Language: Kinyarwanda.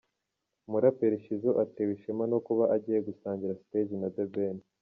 Umuraperi Shizzo atewe ishema no kuba agiye gusangira stage na The Ben.